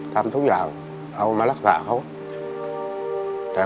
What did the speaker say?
ทำทุกอย่างเอามารักษาเขา